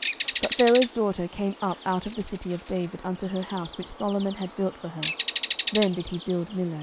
11:009:024 But Pharaoh's daughter came up out of the city of David unto her house which Solomon had built for her: then did he build Millo.